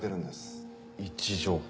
位置情報？